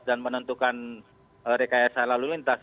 dan menentukan rekayasa lalu lintas